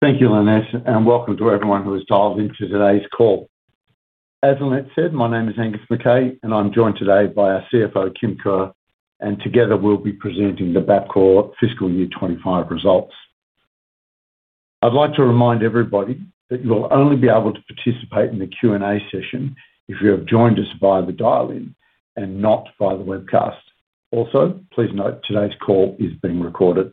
Thank you, Lynette, and welcome to everyone who has dialed into today's call. As Lynette said, my name is Angus McKay, and I'm joined today by our CFO, Kim Kerr, and together we'll be presenting the Bapcor Fiscal Year 2025 Results. I'd like to remind everybody that you'll only be able to participate in the Q&A session if you have joined us via the dial-in and not via the webcast. Also, please note today's call is being recorded.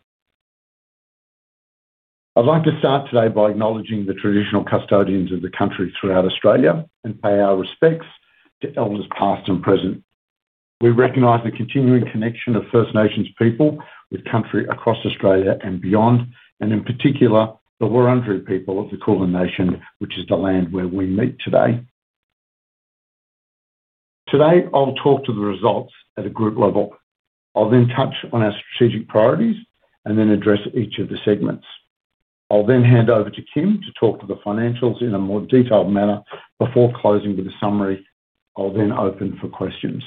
I'd like to start today by acknowledging the traditional custodians of the country throughout Australia and pay our respects to elders past and present. We recognize the continuing connection of First Nations people with country across Australia and beyond, and in particular, the Wurundjeri people of the Kulin Nation, which is the land where we meet today. Today, I'll talk to the results at a group level. I'll then touch on our strategic priorities and then address each of the segments. I'll then hand over to Kim to talk to the financials in a more detailed manner before closing with a summary. I'll then open for questions.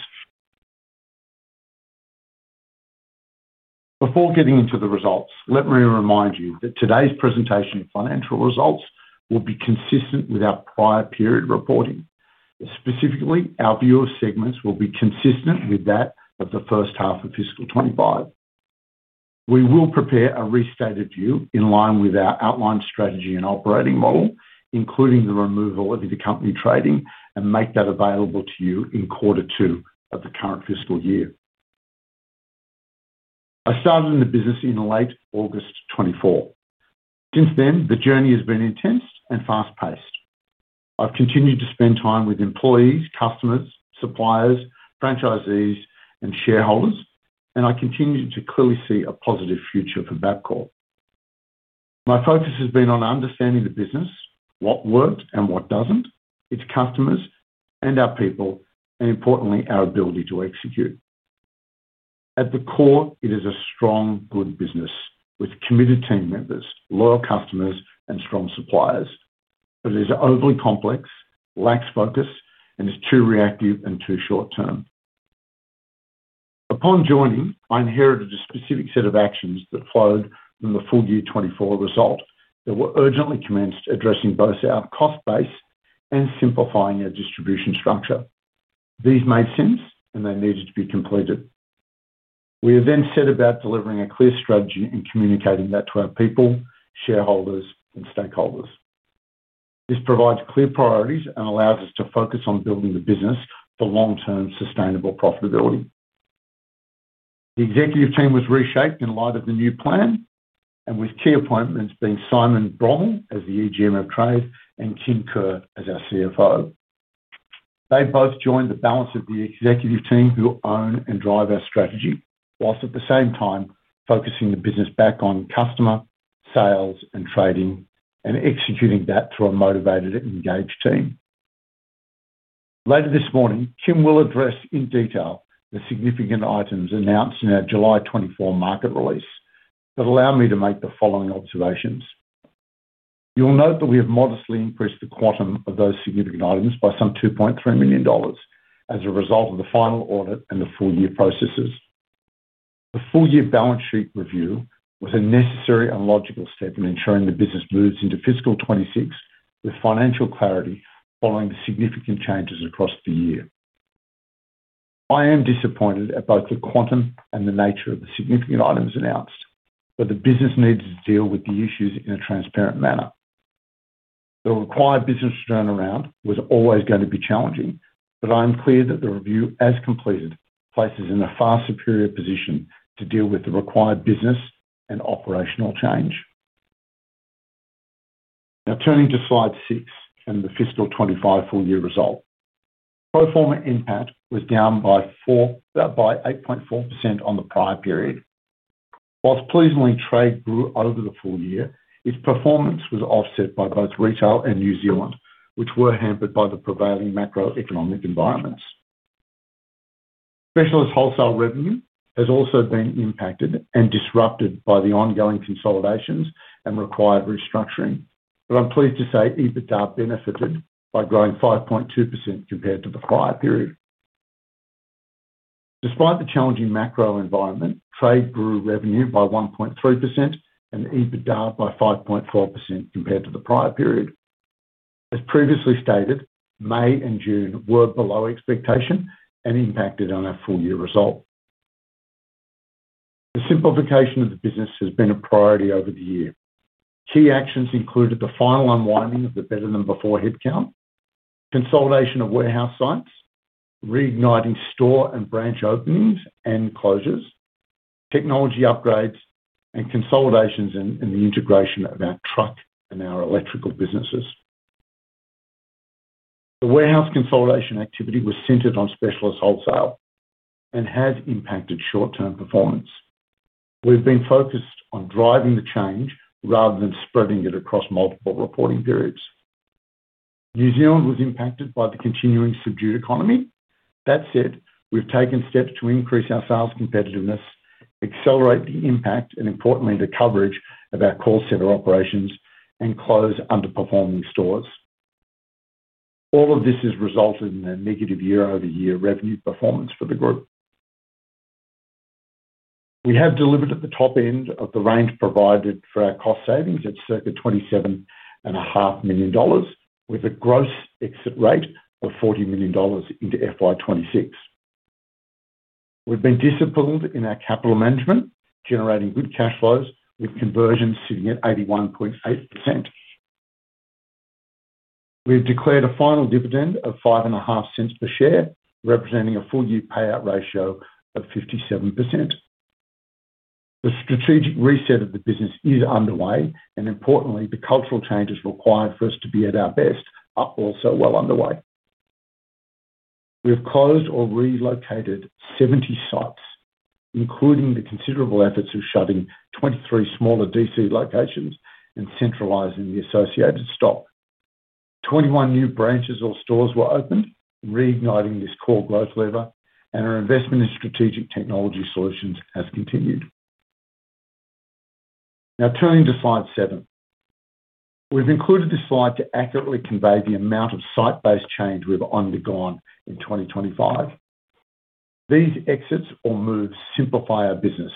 Before getting into the results, let me remind you that today's presentation of financial results will be consistent with our prior period reporting. Specifically, our view of segments will be consistent with that of the first half of fiscal 2025. We will prepare a restated view in line with our outlined strategy and operating model, including the removal of intercompany trading, and make that available to you in quarter two of the current fiscal year. I started in the business in late August 2024. Since then, the journey has been intense and fast-paced. I've continued to spend time with employees, customers, suppliers, franchisees, and shareholders, and I continue to clearly see a positive future for Bapcor. My focus has been on understanding the business, what works and what doesn't, its customers and our people, and importantly, our ability to execute. At the core, it is a strong, good business with committed team members, loyal customers, and strong suppliers. It is overly complex, lacks focus, and is too reactive and too short-term. Upon joining, I inherited a specific set of actions that flowed from the full year 2024 result that were urgently commenced addressing both our cost base and simplifying our distribution structure. These made sense, and they needed to be completed. We have then set about delivering a clear strategy in communicating that to our people, shareholders, and stakeholders. This provides clear priorities and allows us to focus on building the business for long-term, sustainable profitability. The executive team was reshaped in light of the new plan and with key appointments being Simon Broome as the EGM of Trade and Kim Kerr as our CFO. They both joined the balance of the executive team who own and drive our strategy, whilst at the same time focusing the business back on customer, sales, and trading, and executing that through a motivated and engaged team. Later this morning, Kim will address in detail the significant items announced in our July 2024 market release, but allow me to make the following observations. You'll note that we have modestly increased the quantum of those significant items by some $2.3 million as a result of the final audit and the full-year processes. The full-year balance sheet review was a necessary and logical step in ensuring the business moves into fiscal 2026 with financial clarity following the significant changes across the year. I am disappointed at both the quantum and the nature of the significant items announced, but the business needs to deal with the issues in a transparent manner. The required business turnaround was always going to be challenging, but I am clear that the review, as completed, places us in a far superior position to deal with the required business and operational change. Now turning to slide six and the fiscal 2025 full-year result. Pro forma impact was down by 4.4% on the prior period. Whilst pleasingly trade grew over the full year, its performance was offset by both retail and New Zealand, which were hampered by the prevailing macroeconomic environments. Specialist wholesale revenue has also been impacted and disrupted by the ongoing consolidations and required restructuring, but I'm pleased to say EBITDA benefited by growing 5.2% compared to the prior period. Despite the challenging macro environment, trade grew revenue by 1.3% and EBITDA by 5.4% compared to the prior period. As previously stated, May and June were below expectation and impacted on our full-year result. The simplification of the business has been a priority over the year. Key actions included the final unwinding of the better-than-before headcount, consolidation of warehouse sites, reigniting store and branch openings and closures, technology upgrades, and consolidations in the integration of our truck and our electrical businesses. The warehouse consolidation activity was centered on specialist wholesale and has impacted short-term performance. We've been focused on driving the change rather than spreading it across multiple reporting periods. New Zealand was impacted by the continuing subdued economy. That said, we've taken steps to increase our sales competitiveness, accelerate the impact, and importantly, the coverage of our call center operations and close underperforming stores. All of this has resulted in a negative year-over-year revenue performance for the group. We have delivered at the top end of the range provided for our cost savings at circa $27.5 million, with a gross exit rate of $40 million into FY 2026. We've been disciplined in our capital management, generating good cash flows with conversions sitting at 81.8%. We've declared a final dividend of $0.055 per share, representing a full-year payout ratio of 57%. The strategic reset of the business is underway, and importantly, the cultural changes required for us to be at our best are also well underway. We have closed or relocated 70 sites, including the considerable efforts of shutting 23 smaller DC locations and centralizing the associated stock. 21 new branches or stores were opened, reigniting this core growth lever, and our investment in strategic technology solutions has continued. Now turning to slide seven, we've included this slide to accurately convey the amount of site-based change we've undergone in 2025. These exits or moves simplify our business,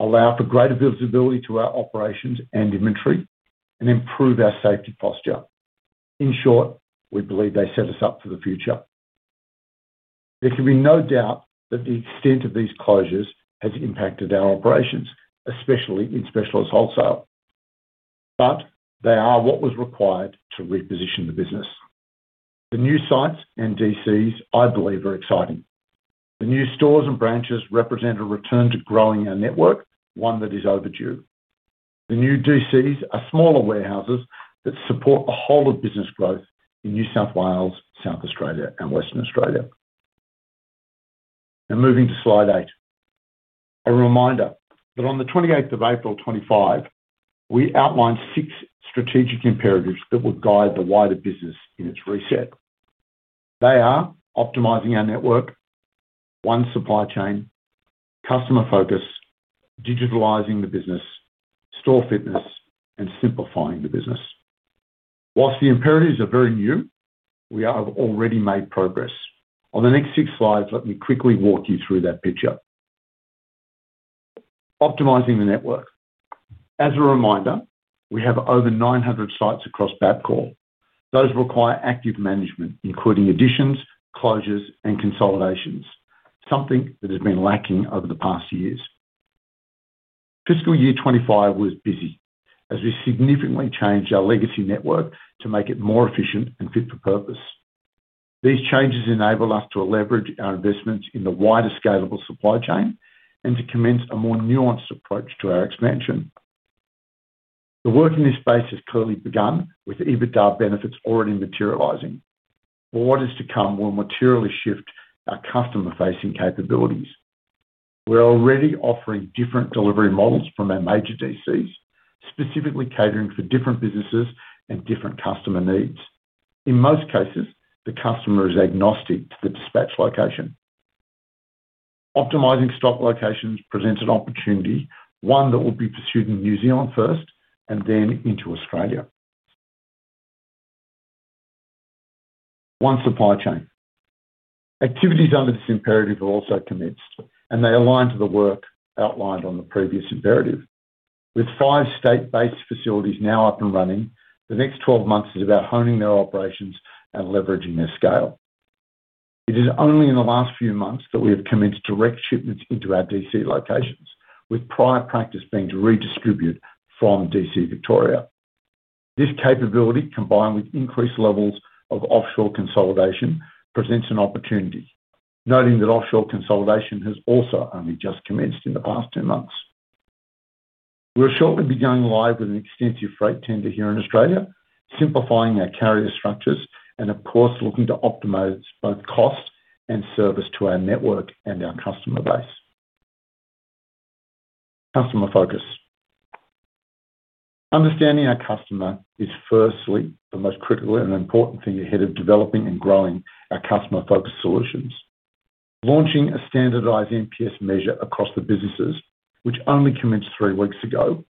allow for greater visibility to our operations and inventory, and improve our safety posture. In short, we believe they set us up for the future. There can be no doubt that the extent of these closures has impacted our operations, especially in specialist wholesale, but they are what was required to reposition the business. The new sites and DCs, I believe, are exciting. The new stores and branches represent a return to growing our network, one that is overdue. The new DCs are smaller warehouses that support the whole of business growth in New South Wales, South Australia, and Western Australia. Now moving to slide eight, a reminder that on the 28th of April 2025, we outlined six strategic imperatives that will guide the wider business in its reset. They are optimizing our network, one supply chain, customer focus, digitalizing the business, store fitness, and simplifying the business. Whilst the imperatives are very new, we have already made progress. On the next six slides, let me quickly walk you through that picture. Optimizing the network. As a reminder, we have over 900 sites across Bapcor. Those require active management, including additions, closures, and consolidations, something that has been lacking over the past years. Fiscal year 2025 was busy, as we significantly changed our legacy network to make it more efficient and fit for purpose. These changes enable us to leverage our investments in the wider scalable supply chain and to commence a more nuanced approach to our expansion. The work in this space has clearly begun with EBITDA benefits already materializing. What is to come will materially shift our customer-facing capabilities. We're already offering different delivery models from our major DCs, specifically catering for different businesses and different customer needs. In most cases, the customer is agnostic to the dispatch location. Optimizing stock locations presents an opportunity, one that will be pursued in New Zealand first and then into Australia. One supply chain. Activities under this imperative have also commenced, and they align to the work outlined on the previous imperative. With five state-based facilities now up and running, the next 12 months is about honing their operations and leveraging their scale. It is only in the last few months that we have commenced direct shipments into our DC locations, with prior practice being to redistribute from DC, Victoria. This capability, combined with increased levels of offshore consolidation, presents an opportunity, noting that offshore consolidation has also only just commenced in the past 10 months. We'll shortly be going live with an extensive freight tender here in Australia, simplifying our carrier structures and a port looking to optimize both cost and service to our network and our customer base. Customer focus. Understanding our customer is firstly the most critical and important thing ahead of developing and growing our customer-focused solutions. Launching a standardized NPS measure across the businesses, which only commenced three weeks ago,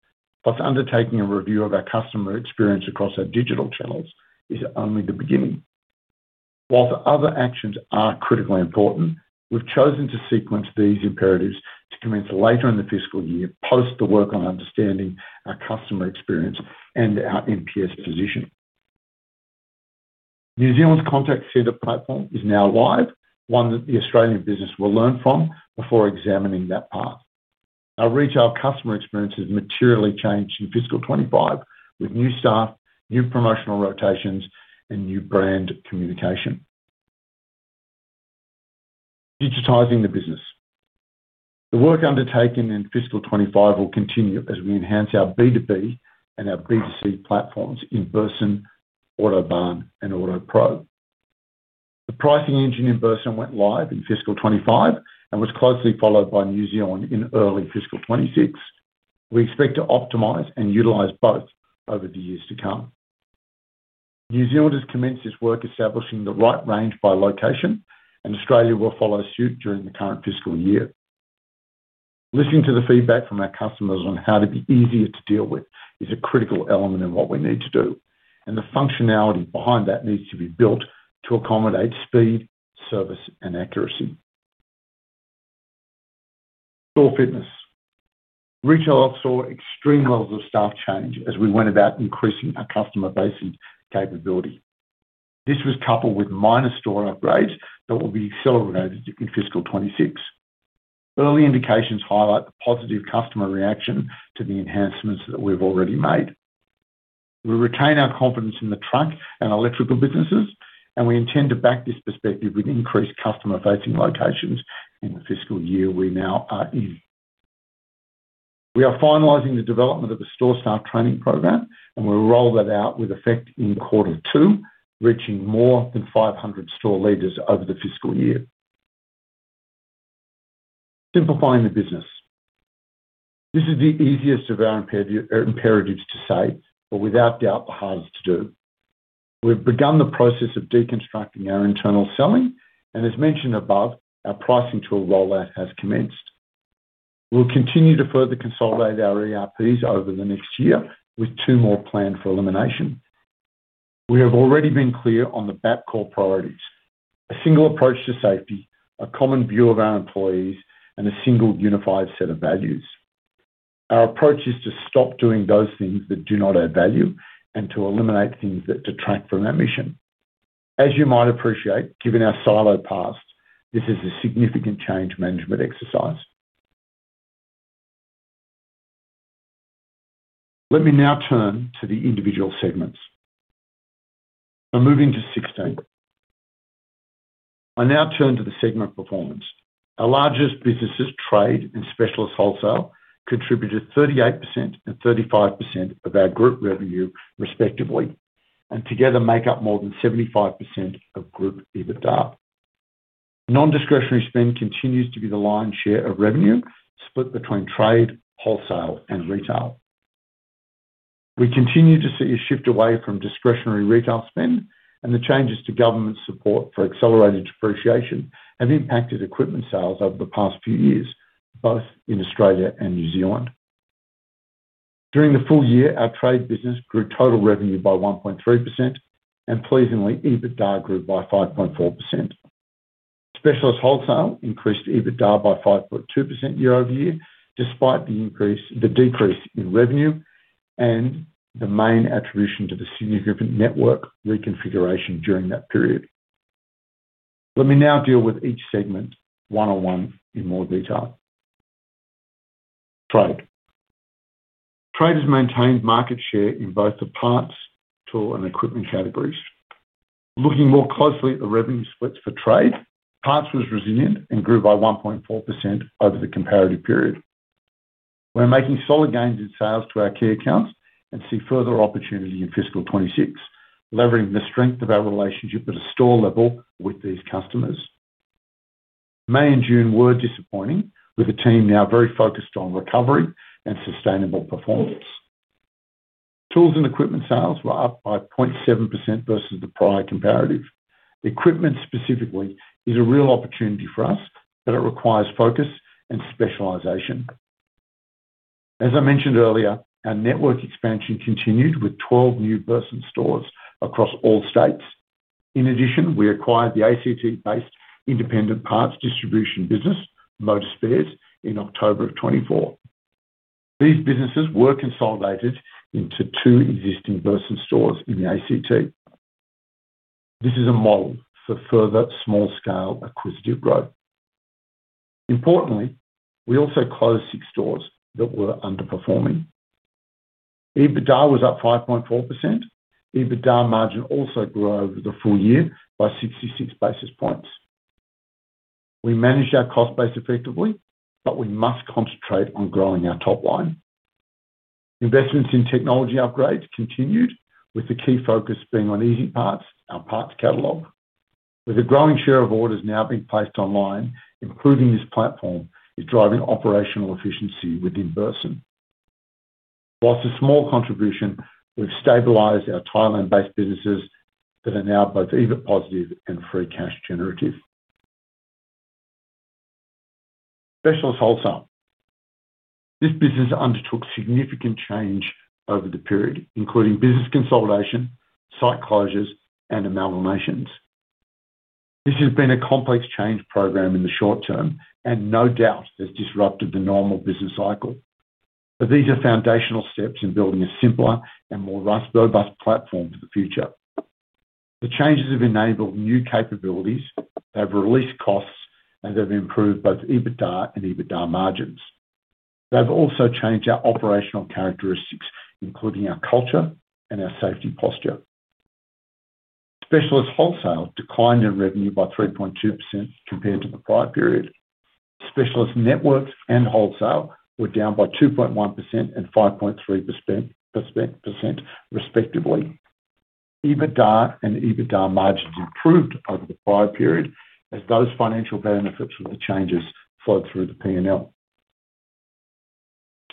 plus undertaking a review of our customer experience across our digital channels, is only the beginning. Whilst other actions are critically important, we've chosen to sequence these imperatives to commence later in the fiscal year, post the work on understanding our customer experience and our NPS positioning. New Zealand's contact center platform is now live, one that the Australian business will learn from before examining that path. Our retail customer experience has materially changed in fiscal 2025 with new staff, new promotional rotations, and new brand communication. Digitizing the business. The work undertaken in fiscal 2025 will continue as we enhance our B2B and our B2C platforms in Burson, Autobarn, and Autopro. The pricing engine in Burson went live in fiscal 2025 and was closely followed by New Zealand in early fiscal 2026. We expect to optimize and utilize both over the years to come. New Zealand has commenced its work establishing the right range by location, and Australia will follow suit during the current fiscal year. Listening to the feedback from our customers on how to be easier to deal with is a critical element in what we need to do, and the functionality behind that needs to be built to accommodate speed, service, and accuracy. Store fitness. Retail off saw extreme levels of staff change as we went about increasing our customer-facing capability. This was coupled with minor store upgrades that will be accelerated in fiscal 2026. Early indications highlight the positive customer reaction to the enhancements that we've already made. We retain our confidence in the truck and electrical businesses, and we intend to back this perspective with increased customer-facing locations in the fiscal year we now are in. We are finalizing the development of the store staff training program, and we'll roll that out with effect in quarter two, reaching more than 500 store leaders over the fiscal year. Simplifying the business. This is the easiest of our imperatives to say, but without doubt the hardest to do. We've begun the process of deconstructing our internal selling, and as mentioned above, our pricing tool rollout has commenced. We'll continue to further consolidate our ERPs over the next year, with two more planned for elimination. We have already been clear on the Bapcor priorities: a single approach to safety, a common view of our employees, and a single unified set of values. Our approach is to stop doing those things that do not add value and to eliminate things that detract from that mission. As you might appreciate, given our silo past, this is a significant change management exercise. Let me now turn to the individual segments. I'm moving to 16. I now turn to the segment performance. Our largest businesses, trade and specialist wholesale, contributed 38% and 35% of our group revenue respectively, and together make up more than 75% of group EBITDA. Non-discretionary spend continues to be the lion's share of revenue split between trade, wholesale, and retail. We continue to see a shift away from discretionary retail spend, and the changes to government support for accelerated depreciation have impacted equipment sales over the past few years, both in Australia and New Zealand. During the full year, our trade business grew total revenue by 1.3%, and pleasingly, EBITDA grew by 5.4%. Specialist wholesale increased EBITDA by 5.2% year-over-year, despite the decrease in revenue and the main attribution to the significant network reconfiguration during that period. Let me now deal with each segment one-on-one in more detail. Trade. Trade has maintained market share in both the parts, tool, and equipment categories. Looking more closely at the revenue splits for trade, parts was resilient and grew by 1.4% over the comparative period. We're making solid gains in sales to our key accounts and see further opportunity in fiscal 2026, leveraging the strength of our relationship at a store level with these customers. May and June were disappointing, with the team now very focused on recovery and sustainable performance. Tools and equipment sales were up by 0.7% versus the prior comparative. Equipment specifically is a real opportunity for us, but it requires focus and specialization. As I mentioned earlier, our network expansion continued with 12 new Burson stores across all states. In addition, we acquired the ACT-based independent parts distribution business, Motor Spares, in October of 2024. These businesses were consolidated into two existing Burson stores in the ACT. This is a model for further small-scale acquisitive growth. Importantly, we also closed six stores that were underperforming. EBITDA was up 5.4%. EBITDA margin also grew over the full year by 66 basis points. We managed our cost base effectively, but we must concentrate on growing our top line. Investments in technology upgrades continued, with the key focus being on easing parts and parts catalogue. With a growing share of orders now being placed online, improving this platform is driving operational efficiency within Burson. Whilst a small contribution, we've stabilized our Thailand-based businesses that are now both EBIT positive and free cash generative. Specialist wholesale. This business undertook significant change over the period, including business consolidation, site closures, and amalgamations. This has been a complex change program in the short term, and no doubt has disrupted the normal business cycle, but these are foundational steps in building a simpler and more robust platform for the future. The changes have enabled new capabilities, they've released costs, and they've improved both EBITDA and EBITDA margins. They've also changed our operational characteristics, including our culture and our safety posture. Specialist wholesale declined in revenue by 3.2% compared to the prior period. Specialist network and wholesale were down by 2.1% and 5.3% respectively. EBITDA and EBITDA margins improved over the prior period as those financial benefits of the changes flowed through the P&L.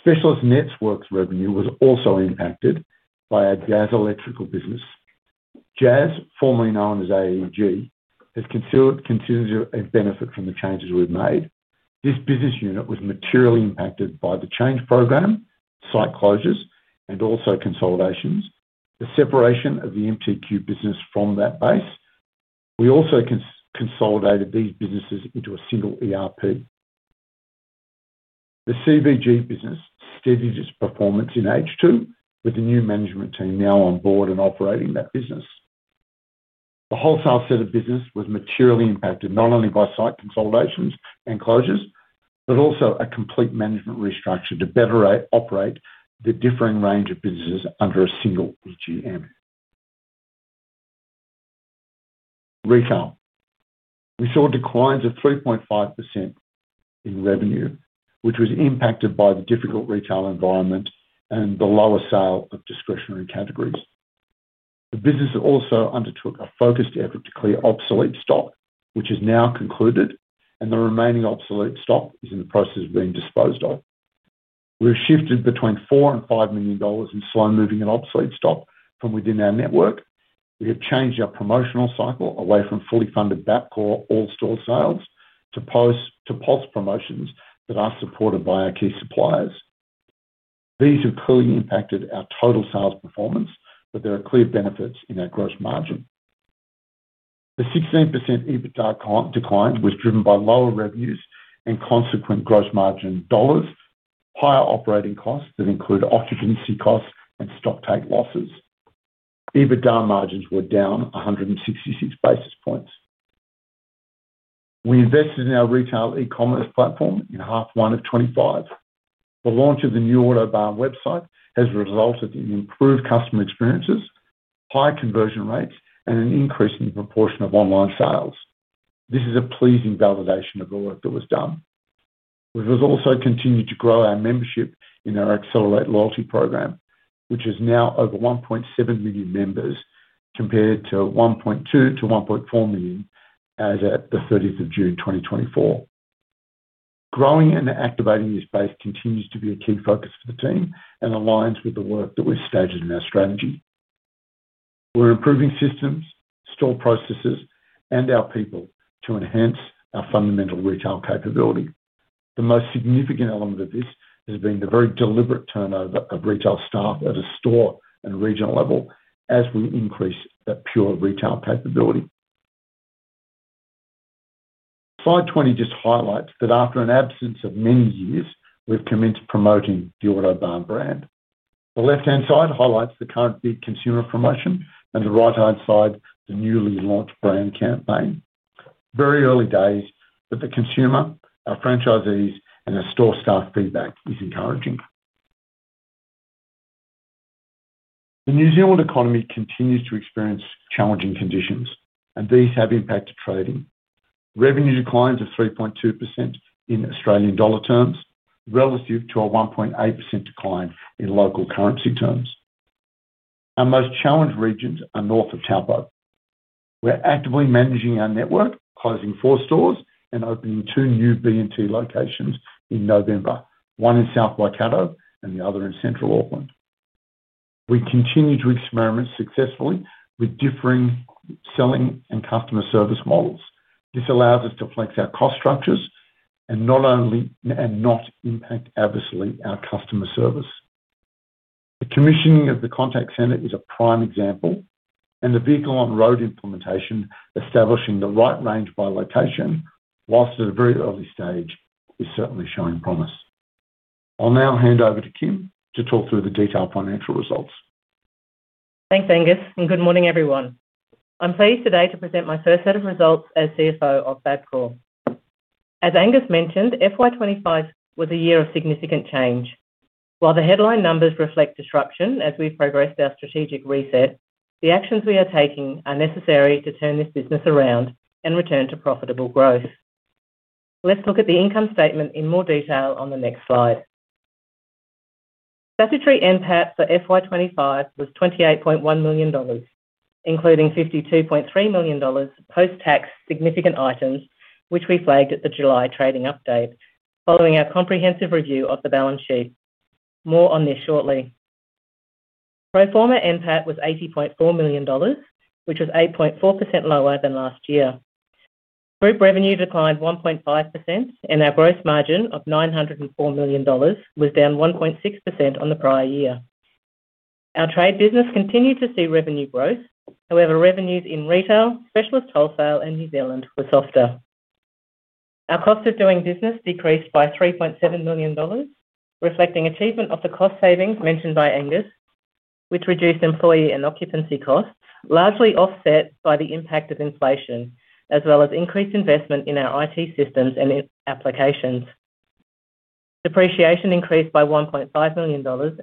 Specialist network revenue was also impacted by our JAS electrical business. JAS, formerly known as AEG, has continued to benefit from the changes we've made. This business unit was materially impacted by the change program, site closures, and also consolidations, the separation of the MTQ business from that base. We also consolidated these businesses into a single ERP. The CVG business steadied its performance in H2, with the new management team now on board and operating that business. The wholesale set of business was materially impacted not only by site consolidations and closures, but also a complete management restructure to better operate the differing range of businesses under a single EGM. Retail. We saw declines of 3.5% in revenue, which was impacted by the difficult retail environment and the lower sale of discretionary categories. The business also undertook a focused effort to clear obsolete stock, which is now concluded, and the remaining obsolete stock is in the process of being disposed of. We've shifted between $4 million and $5 million in slow-moving and obsolete stock from within our network. We have changed our promotional cycle away from fully funded Bapcor all-store sales to pulse promotions that are supported by our key suppliers. These have clearly impacted our total sales performance, but there are clear benefits in our gross margin. The 16% EBITDA decline was driven by lower revenues and consequent gross margin dollars, higher operating costs that include occupancy costs and stocktake losses. EBITDA margins were down 166 basis points. We invested in our retail e-commerce platform in half one of 2025. The launch of the new Autobarn website has resulted in improved customer experiences, high conversion rates, and an increase in the proportion of online sales. This is a pleasing validation of the work that was done. We've also continued to grow our membership in our Accelerate Loyalty program, which is now over 1.7 million members compared to 1.2 million-1.4 million as at June 30, 2024. Growing and activating this base continues to be a key focus for the team and aligns with the work that we've stated in our strategy. We're improving systems, store processes, and our people to enhance our fundamental retail capability. The most significant element of this has been the very deliberate turnover of retail staff at a store and regional level as we increase that pure retail capability. Slide 20 just highlights that after an absence of many years, we've commenced promoting the Autobarn brand. The left-hand side highlights the current big consumer promotion, and the right-hand side, the newly launched brand campaign. Very early days, but the consumer, our franchisees, and our store staff feedback is encouraging. The New Zealand economy continues to experience challenging conditions, and these have impacted trading. Revenue declines of 3.2% in Australian dollar terms relative to a 1.8% decline in local currency terms. Our most challenged regions are north of Taupo. We're actively managing our network, closing four stores, and opening two new BNT locations in November, one in South Waikato, and the other in central Auckland. We continue to experiment successfully with differing selling and customer service models. This allows us to flex our cost structures and not only impact adversely our customer service. The commissioning of the contact center is a prime example, and the vehicle on road implementation, establishing the right range by location whilst at a very early stage, is certainly showing promise. I'll now hand over to Kim to talk through the detailed financial results. Thanks, Angus, and good morning, everyone. I'm pleased today to present my first set of results as CFO of Bapcor. As Angus mentioned, FY 2025 was a year of significant change. While the headline numbers reflect disruption as we've progressed our strategic reset, the actions we are taking are necessary to turn this business around and return to profitable growth. Let's look at the income statement in more detail on the next slide. Statutory NPAT for FY 2025 was $28.1 million, including $52.3 million post-tax significant items, which we flagged at the July trading update following our comprehensive review of the balance sheet. More on this shortly. Pro forma NPAT was $80.4 million, which was 8.4% lower than last year. Group revenue declined 1.5%, and our gross margin of $904 million was down 1.6% on the prior year. Our trade business continued to see revenue growth. However, revenues in retail, specialist wholesale, and New Zealand were softer. Our cost of doing business decreased by $3.7 million, reflecting achievement of the cost savings mentioned by Angus, which reduced employee and occupancy costs, largely offset by the impact of inflation, as well as increased investment in our IT systems and applications. Depreciation increased by $1.5 million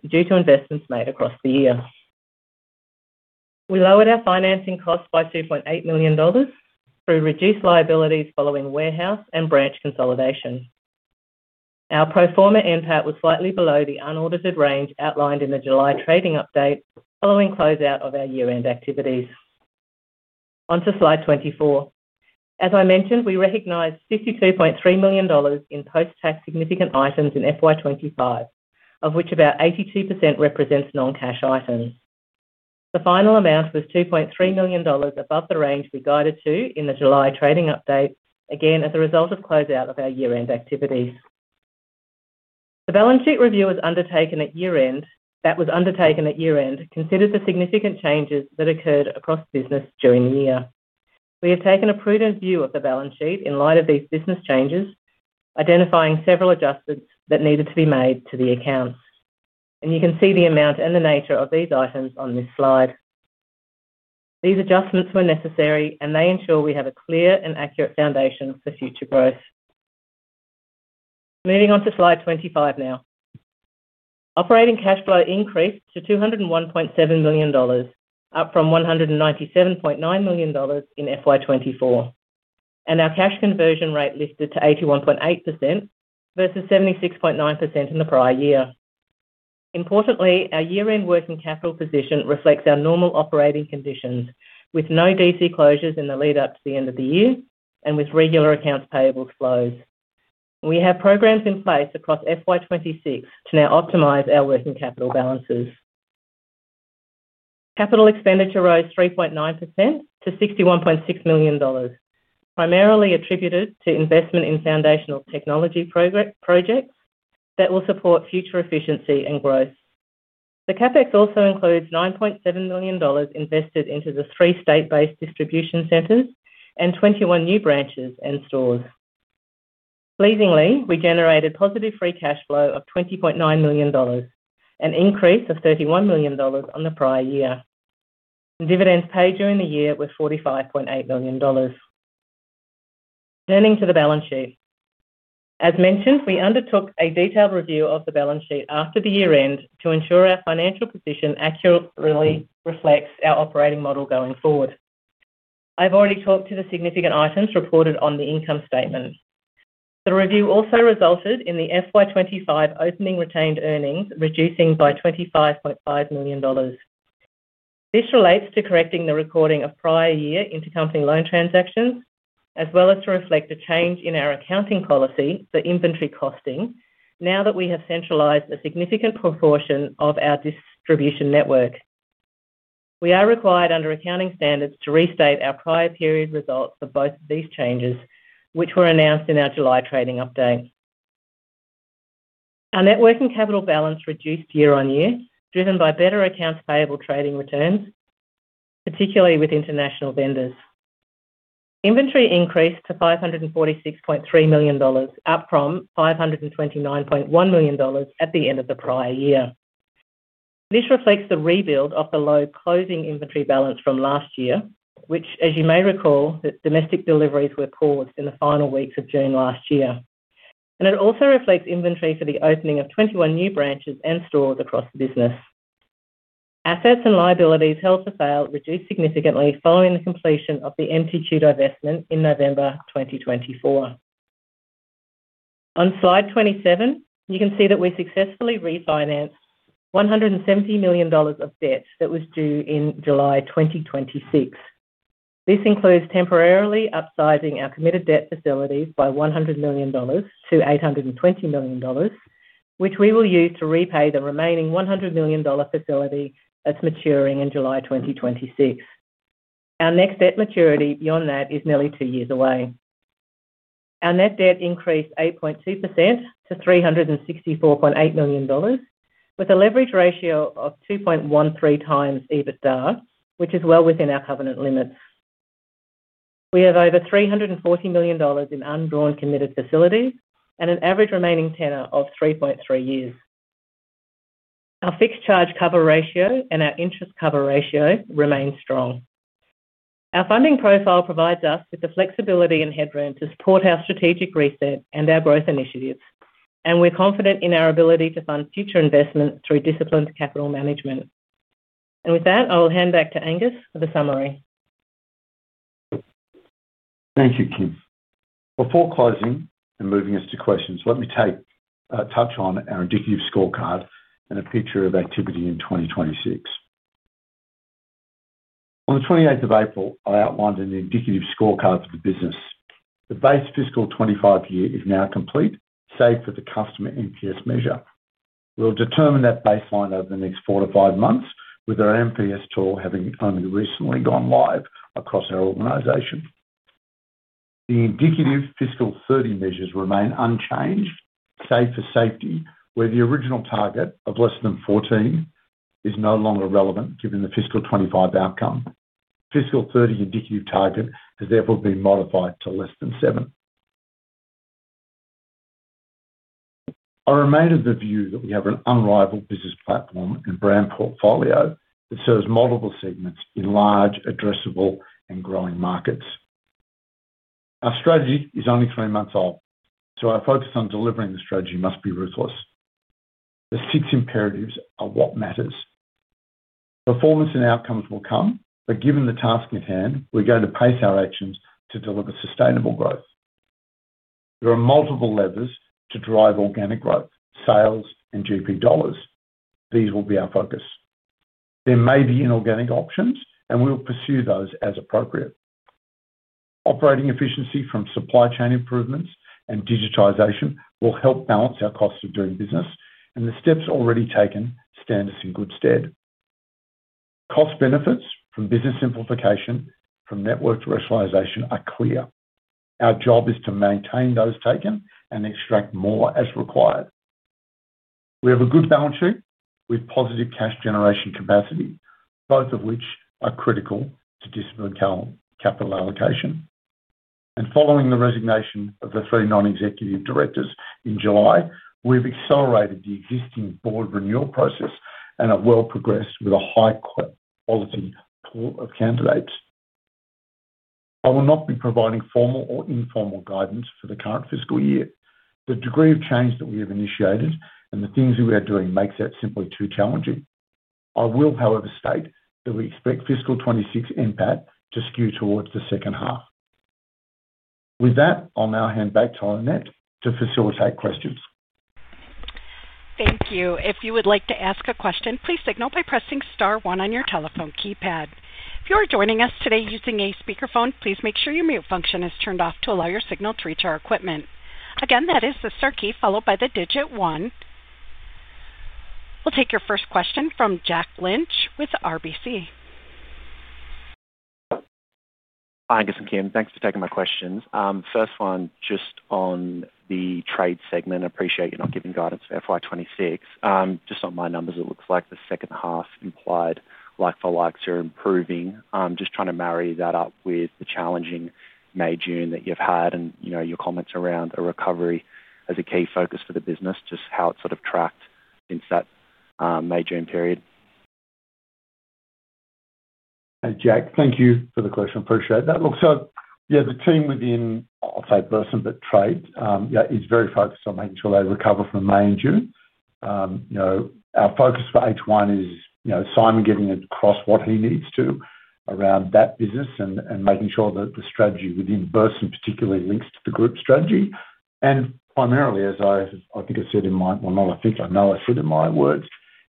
due to investments made across the year. We lowered our financing costs by $2.8 million through reduced liabilities following warehouse and branch consolidation. Our pro forma NPAT was slightly below the unaudited range outlined in the July trading update following closeout of our year-end activities. Onto slide 24. As I mentioned, we recognized $52.3 million in post-tax significant items in FY 2025, of which about 82% represents non-cash items. The final amount was $2.3 million above the range we guided to in the July trading update, again as a result of closeout of our year-end activities. The balance sheet review was undertaken at year-end. That was undertaken at year-end, considered the significant changes that occurred across business during the year. We have taken a prudent view of the balance sheet in light of these business changes, identifying several adjustments that needed to be made to the accounts. You can see the amount and the nature of these items on this slide. These adjustments were necessary, and they ensure we have a clear and accurate foundation for future growth. Moving on to slide 25 now. Operating cash flow increased to $201.7 million, up from $197.9 million in FY 2024, and our cash conversion rate lifted to 81.8% versus 76.9% in the prior year. Importantly, our year-end working capital position reflects our normal operating conditions, with no DC closures in the lead-up to the end of the year and with regular accounts payable flows. We have programs in place across FY 2026 to now optimize our working capital balances. Capital expenditure rose 3.9% to $61.6 million, primarily attributed to investment in foundational technology projects that will support future efficiency and growth. The CapEx also includes $9.7 million invested into the three state-based distribution centers and 21 new branches and stores. Pleasingly, we generated positive free cash flow of $20.9 million, an increase of $31 million on the prior year. Dividends paid during the year were $45.8 million. Turning to the balance sheet. As mentioned, we undertook a detailed review of the balance sheet after the year-end to ensure our financial position accurately reflects our operating model going forward. I've already talked to the significant items reported on the income statement. The review also resulted in the FY 2025 opening retained earnings reducing by $25.5 million. This relates to correcting the recording of prior year intercompany loan transactions, as well as to reflect a change in our accounting policy for inventory costing now that we have centralized a significant proportion of our distribution network. We are required under accounting standards to restate our prior period results for both of these changes, which were announced in our July trading update. Our net working capital balance reduced year on year, driven by better accounts payable trading returns, particularly with international vendors. Inventory increased to $546.3 million, up from $529.1 million at the end of the prior year. This reflects the rebuild of the low closing inventory balance from last year, which, as you may recall, domestic deliveries were paused in the final weeks of June last year. It also reflects inventory for the opening of 21 new branches and stores across the business. Assets and liabilities held for sale reduced significantly following the completion of the MPQ divestment in November 2024. On slide 27, you can see that we successfully refinanced $170 million of debt that was due in July 2026. This includes temporarily upsizing our committed debt facilities by $100 million-$820 million, which we will use to repay the remaining $100 million facility that's maturing in July 2026. Our next debt maturity beyond that is nearly two years away. Our net debt increased 8.2% to $364.8 million, with a leverage ratio of 2.13x EBITDA, which is well within our covenant limits. We have over $340 million in unborrowed committed facilities and an average remaining tenor of 3.3 years. Our fixed charge cover ratio and our interest cover ratio remain strong. Our funding profile provides us with the flexibility and headroom to support our strategic reset and our growth initiatives. We're confident in our ability to fund future investment through disciplined capital management. With that, I will hand back to Angus for the summary. Thank you, Kim. Before closing and moving us to questions, let me touch on our indicative scorecard and a picture of activity in 2026. On the 28th of April, I outlined an indicative scorecard for the business. The base fiscal 2025 year is now complete, save for the customer NPS measure. We'll determine that baseline over the next four to five months, with our NPS tool having only recently gone live across our organization. The indicative fiscal 2030 measures remain unchanged, save for safety, where the original target of less than 14 is no longer relevant given the fiscal 2025 outcome. Fiscal 2030 indicative target has therefore been modified to less than seven. I remain of the view that we have an unrivaled business platform and brand portfolio that serves multiple segments in large, addressable, and growing markets. Our strategy is only three months old, so our focus on delivering the strategy must be ruthless. The six imperatives are what matters. Performance and outcomes will come, but given the task at hand, we're going to pace our actions to deliver sustainable growth. There are multiple levers to drive organic growth: sales, and GP dollars. These will be our focus. There may be inorganic options, and we will pursue those as appropriate. Operating efficiency from supply chain improvements and digitization will help balance our cost of doing business, and the steps already taken stand us in good stead. Cost benefits from business simplification, from network rationalization, are clear. Our job is to maintain those taken and extract more as required. We have a good balance sheet with positive cash generation capacity, both of which are critical to disciplined capital allocation. Following the resignation of the three non-executive directors in July, we've accelerated the existing board renewal process and have well progressed with a high-quality pool of candidates. I will not be providing formal or informal guidance for the current fiscal year. The degree of change that we have initiated and the things that we are doing makes that simply too challenging. I will, however, state that we expect fiscal 2026 end part to skew towards the second half. With that, I'll now hand back to Lynette to facilitate questions. Thank you. If you would like to ask a question, please signal by pressing star one on your telephone keypad. If you are joining us today using a speakerphone, please make sure your mute function is turned off to allow your signal to reach our equipment. Again, that is the star key followed by the digit one. We'll take your first question from Jack Lynch with RBC. Hi, Angus and Kim. Thanks for taking my questions. First one, just on the trade segment. I appreciate you're not giving guidance for FY 2026. Just on my numbers, it looks like the second half implied like for likes are improving. Just trying to marry that up with the challenging May, June that you've had and your comments around a recovery as a key focus for the business, just how it's sort of tracked since that May, June period. Hey, Jack. Thank you for the question. I appreciate that. Look, the team within, I'll say Burson, but trade, is very focused on making sure they recover from May and June. Our focus for H1 is Simon getting across what he needs to around that business and making sure that the strategy within Burson particularly links to the group strategy. Primarily, as I think I said in my, not I think, I know I said in my words,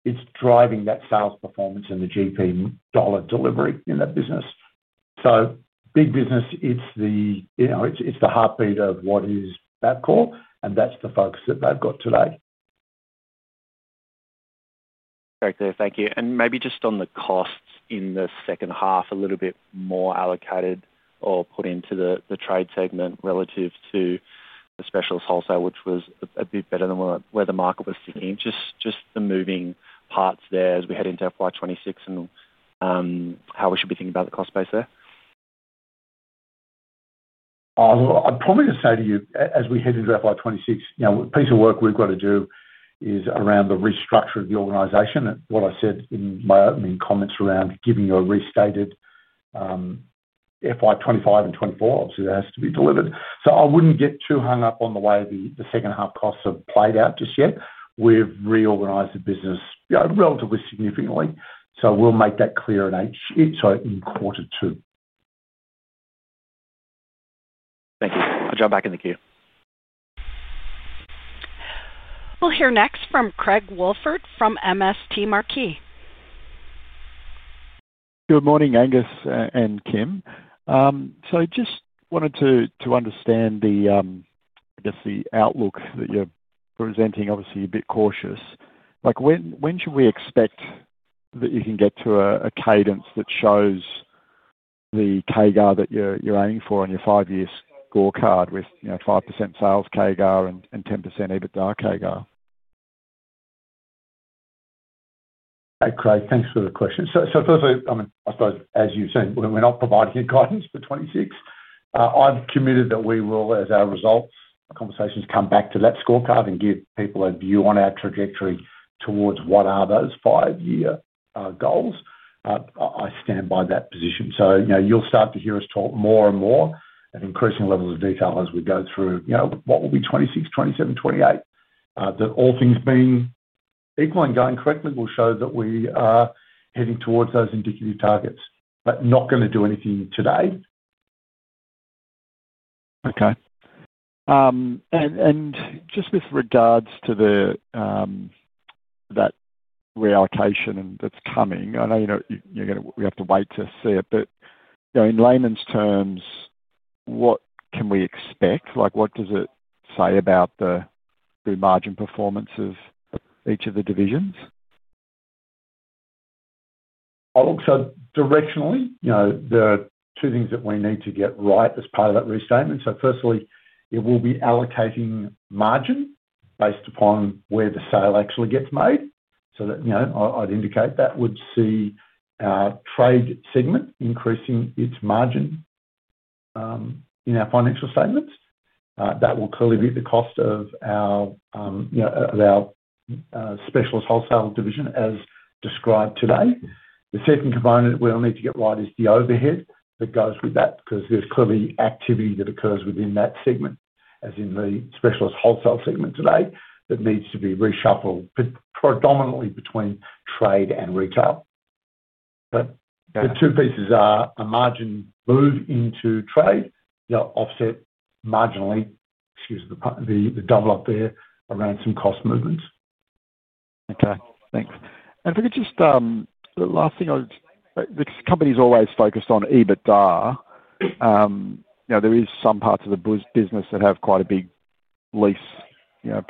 it's driving that sales performance and the GP dollar delivery in that business. Big business, it's the heartbeat of what is Bapcor, and that's the focus that they've got today. Very clear. Thank you. Maybe just on the costs in the second half, a little bit more allocated or put into the trade segment relative to the specialist wholesale, which was a bit better than where the market was seeking. Just the moving parts there as we head into FY 2026 and how we should be thinking about the cost base there. I'm probably going to say to you, as we head into FY 2026, you know, a piece of work we've got to do is around the restructure of the organization. What I said in my opening comments around giving a restated FY 2025 and FY 2024, obviously that has to be delivered. I wouldn't get too hung up on the way the second half costs have played out just yet. We've reorganized the business relatively significantly. We'll make that clear in H, if so, in quarter two. Thank you. The job back in the queue. We'll hear next from Craig Woolford from MST Marquee. Good morning, Angus and Kim. I just wanted to understand the outlook that you're presenting. Obviously, you're a bit cautious. When should we expect that you can get to a cadence that shows the CAGR that you're aiming for on your five-year scorecard with 5% sales CAGR and 10% EBITDA CAGR? Hey, Craig, thanks for the question. Firstly, as you've seen, we're not providing you guidance for 2026. I'm committed that we will, as our results conversations come back to that scorecard and give people a view on our trajectory towards what are those five-year goals. I stand by that position. You'll start to hear us talk more and more at increasing levels of detail as we go through what will be 2026, 2027, 2028. That, all things being equal and going correctly, will show that we are heading towards those indicative targets, but not going to do anything today. Okay. With regards to that reallocation that's coming, I know we have to wait to see it, but in layman's terms, what can we expect? What does it say about the margin performance of each of the divisions? Look, directionally, the two things that we need to get right as part of that restatement. Firstly, it will be allocating margin based upon where the sale actually gets made. I'd indicate that would see our trade segment increasing its margin in our financial statements. That will clearly be the cost of our specialist wholesale division as described today. The second component that we'll need to get right is the overhead that goes with that because there's clearly activity that occurs within that segment, as in the specialist wholesale segment today, that needs to be reshuffled predominantly between trade and retail. The two pieces are a margin move into trade, offset marginally, excuse the double up there, around some cost movements. Okay, thanks. If I could, the last thing I would, because the company's always focused on EBITDA, there are some parts of the business that have quite a big lease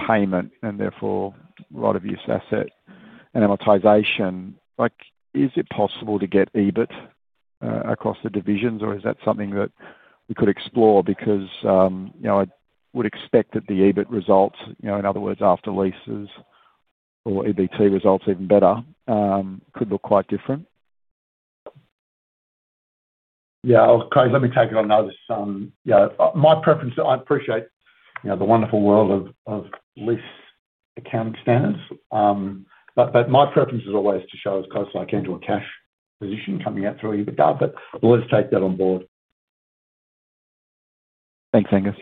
payment and therefore a lot of use asset and amortization. Is it possible to get EBIT across the divisions or is that something that we could explore? I would expect that the EBIT results, in other words, after leases or EBT results, even better, could look quite different. Yeah, Craig, let me take it on another. My preference, I appreciate the wonderful world of lease account standards, but my preference is always to show as close like annual cash position coming out through EBITDA, but let's take that on board. Thanks, Angus.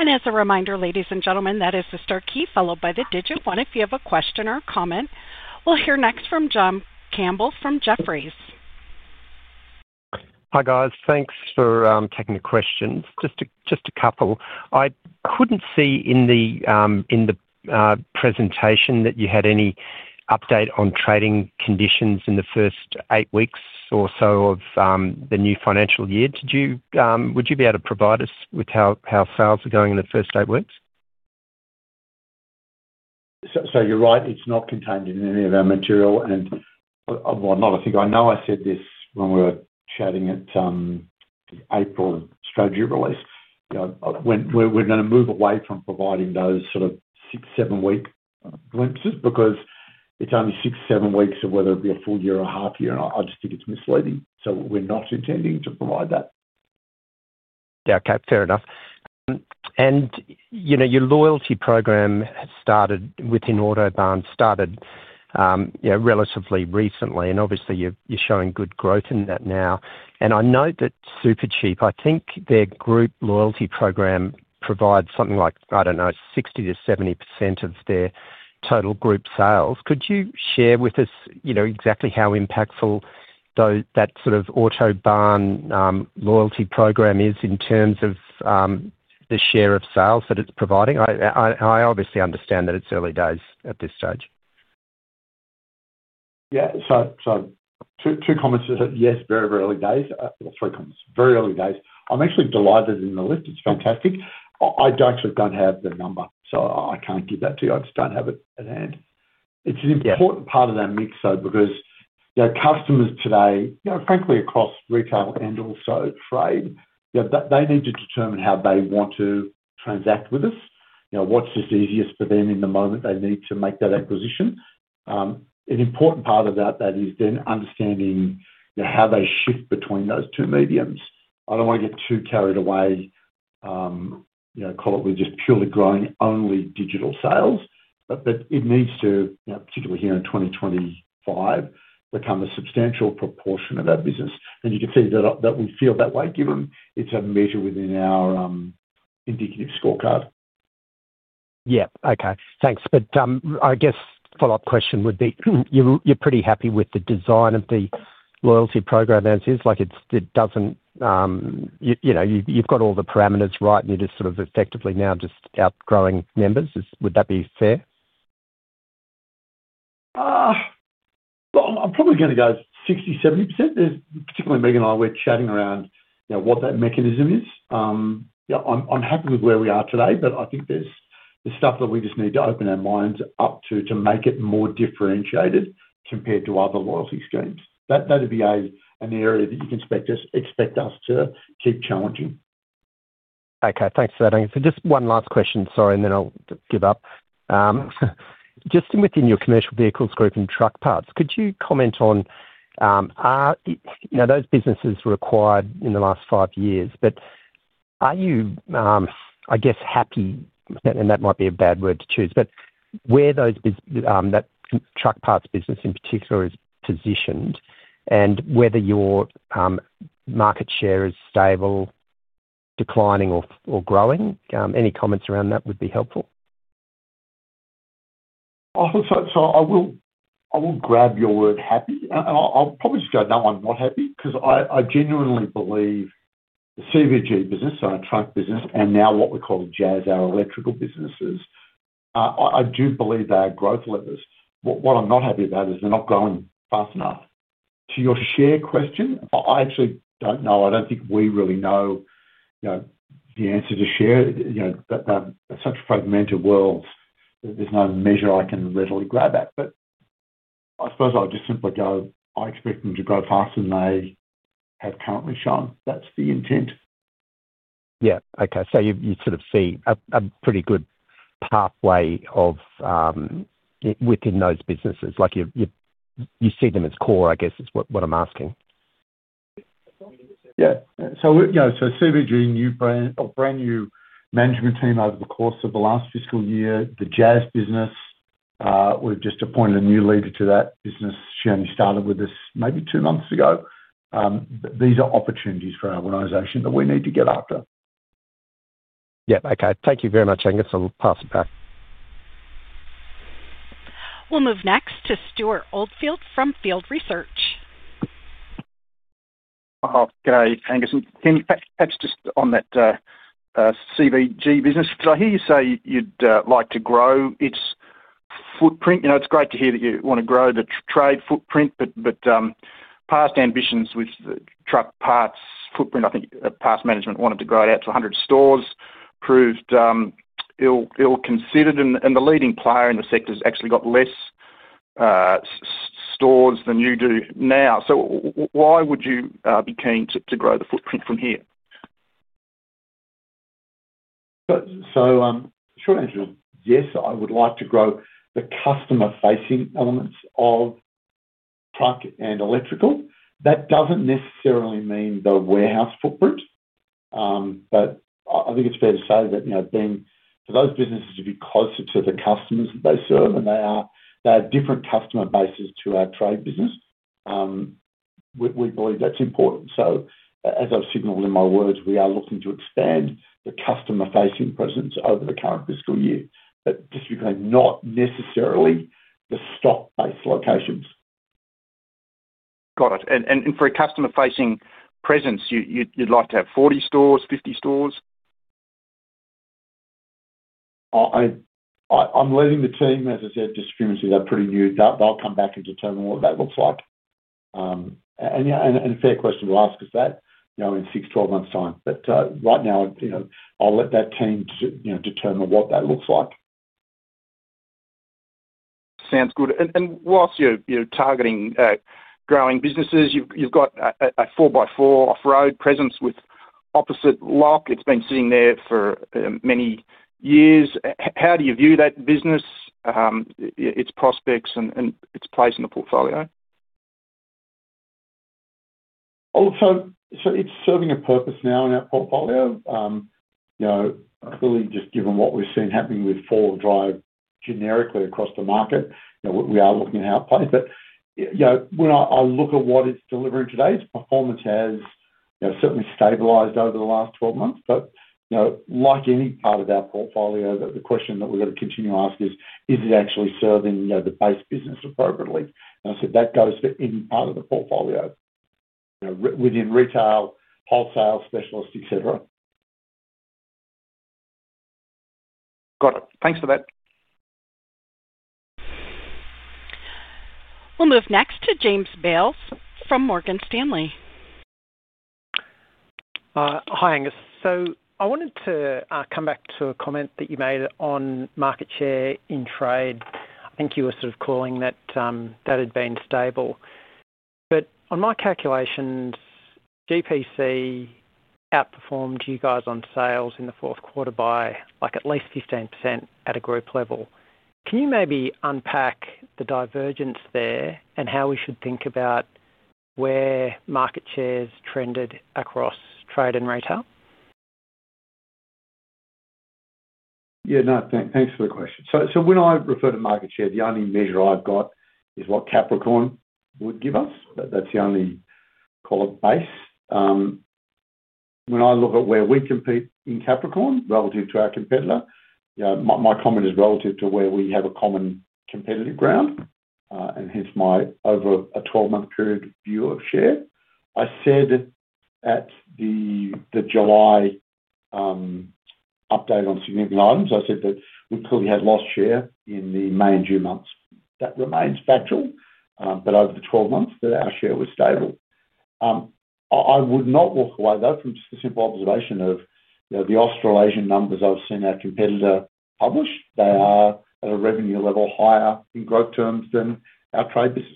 As a reminder, ladies and gentlemen, that is the star key followed by the digit one if you have a question or comment. We'll hear next from John Campbell from Jefferies. Hi guys, thanks for taking the questions. Just a couple. I couldn't see in the presentation that you had any update on trading conditions in the first eight weeks or so of the new financial year. Would you be able to provide us with how sales are going in the first eight weeks? You're right, it's not contained in any of our material, and I'm not a thinker. I think I know I said this when we were chatting at the April strategy release. You know, we're going to move away from providing those sort of six, seven-week glimpses because it's only six, seven weeks of whether it be a full year or half year, and I just think it's misleading. We're not intending to provide that. Yeah, okay, fair enough. Your loyalty program started within Autobarn, started relatively recently, and obviously you're showing good growth in that now. I know that Supercheap, I think their group loyalty program provides something like 60%-70% of their total group sales. Could you share with us exactly how impactful though that sort of Autobarn loyalty program is in terms of the share of sales that it's providing? I obviously understand that it's early days at this stage. Yeah, so two comments is that yes, very, very early days, or three comments, very early days. I'm actually delighted in the list, it's fantastic. I actually don't have the number, so I can't give that to you, I just don't have it at hand. It's an important part of that mix though because you know customers today, frankly across retail and also trade, they need to determine how they want to transact with us. You know, what's just easiest for them in the moment they need to make that acquisition. An important part of that is then understanding how they shift between those two mediums. I don't want to get too carried away, call it with just purely growing only digital sales, but it needs to, particularly here in 2025, become a substantial proportion of that business. You can see that we feel that way given it's a measure within our indicative scorecard. Okay, thanks. I guess follow-up question would be, you're pretty happy with the design of the loyalty program as is? Like it doesn't, you know, you've got all the parameters right and it is sort of effectively now just outgrowing members. Would that be fair? I'm probably going to go 60%, 70%. Particularly, Megan and I were chatting around, you know, what that mechanism is. I'm happy with where we are today, but I think there's stuff that we just need to open our minds up to make it more differentiated compared to other loyalty schemes. That would be an area that you can expect us to keep challenging. Okay, thanks for that, Angus. Just one last question, sorry, and then I'll give up. Within your commercial vehicles group and truck parts, could you comment on, are those businesses required in the last five years, but are you, I guess, happy, and that might be a bad word to choose, but where that truck parts business in particular is positioned and whether your market share is stable, declining, or growing? Any comments around that would be helpful? I will grab your word happy. I'll probably just go no, I'm not happy because I genuinely believe the CVG business, our truck business, and now what we call JAS, our electrical businesses, I do believe they are growth levers. What I'm not happy about is they're not growing fast enough. To your share question, I actually don't know, I don't think we really know the answer to share. That's such a fragmented world that there's no measure I can literally grab at. I suppose I'll just simply go, I expect them to grow faster than they have currently shown. That's the intent. Okay. You sort of see a pretty good pathway within those businesses. You see them as core, I guess, is what I'm asking. Yeah. CVG, new brand, or brand new management team over the course of the last fiscal year. The JAS business, we've just appointed a new leader to that business. She only started with us maybe two months ago. These are opportunities for our organization that we need to get after. Yeah, okay. Thank you very much, Angus. I'll pass it back. We'll move next to Stewart Oldfield from Field Research. Oh, g'day, Angus. And Kim, perhaps just on that CVG business, because I hear you say you'd like to grow its footprint. It's great to hear that you want to grow the trade footprint, but past ambitions with the truck parts footprint, I think past management wanted to grow it out to 100 stores, proved ill-considered, and the leading player in the sector has actually got fewer stores than you do now. Why would you be keen to grow the footprint from here? Short answer, yes, I would like to grow the customer-facing elements of truck and electrical. That doesn't necessarily mean the warehouse footprint, but I think it's fair to say that for those businesses to be closer to the customers that they serve, and they have different customer bases to our trade business, we believe that's important. As I've signaled in my words, we are looking to expand the customer-facing presence over the current fiscal year, but just because they're not necessarily the stock-based locations. Got it. For a customer-facing presence, you'd like to have 40 stores, 50 stores? I'm letting the team, as I said, distribute to that pretty new. They'll come back and determine what that looks like. A fair question to ask is that, you know, in six, 12 months' time. Right now, you know, I'll let that team determine what that looks like. Sounds good. Whilst you're targeting growing businesses, you've got a 4WD off-road presence with Opposite Lock. It's been sitting there for many years. How do you view that business, its prospects, and its place in the portfolio? It is serving a purpose now in our portfolio. Really, just given what we've seen happening with four or five generically across the market, we are looking at outplay. When I look at what it's delivering today, its performance has certainly stabilized over the last 12 months. Like any part of our portfolio, the question that we're going to continue to ask is, is it actually serving the base business appropriately? I said that goes for any part of the portfolio within retail, wholesale, specialist, etc. Got it. Thanks for that. We'll move next to James Bales from Morgan Stanley. Hi, Angus. I wanted to come back to a comment that you made on market share in trade. I think you were sort of calling that that had been stable. On my calculation, GPC outperformed you guys on sales in the fourth quarter by at least 15% at a group level. Can you maybe unpack the divergence there and how we should think about where market shares trended across trade and retail? Yeah, no, thanks for the question. When I refer to market share, the only measure I've got is what Capricorn would give us. That's the only, call it, base. When I look at where we compete in Capricorn relative to our competitor, my comment is relative to where we have a common competitive ground, and hence my over a 12-month period view of share. I said at the July update on significant items, I said that we clearly had lost share in the May and June months. That remains factual, but over the 12 months, our share was stable. I would not walk away though from just the simple observation of the Australasian numbers I've seen our competitor publish. They are at a revenue level higher in growth terms than our trade business.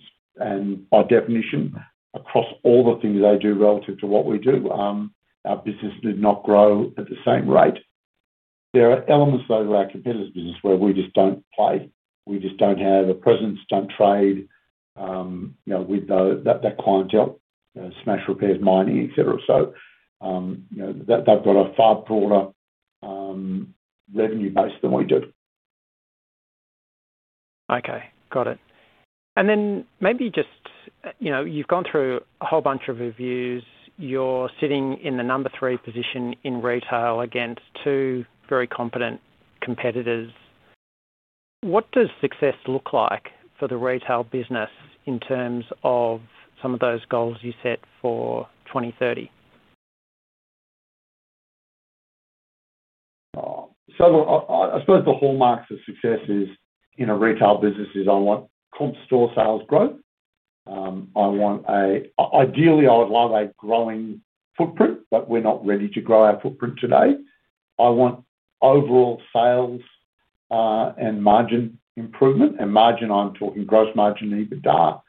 By definition, across all the things they do relative to what we do, our business did not grow at the same rate. There are elements though of our competitor's business where we just don't play. We just don't have a presence, don't trade with the clientele, smash repairs, mining, etc. They've got a far broader revenue base than we did. Okay, got it. Maybe just, you know, you've gone through a whole bunch of reviews. You're sitting in the number three position in retail against two very competent competitors. What does success look like for the retail business in terms of some of those goals you set for 2030? I suppose the hallmarks of success in a retail business is I want comp store sales growth. I want a, ideally, I would love a growing footprint, but we're not ready to grow our footprint today. I want overall sales and margin improvement, and margin, I'm talking gross margin, EBITDA,